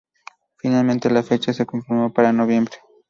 Finalmente la fecha se confirmó para noviembre.